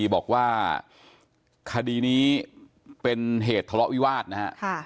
บอกว่าคดีนี้เป็นเหตุทะเลาะวิวาสนะฮะ